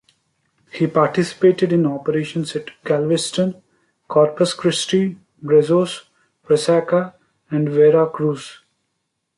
He participated in operations at Galveston, Corpus Christi, Brazos, Resaca, and Vera Cruz.